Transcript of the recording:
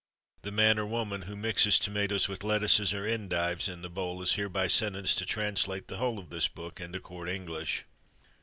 The man, or woman, who mixes tomatoes with lettuces, or endives, in the bowl, is hereby sentenced to translate the whole of this book into Court English.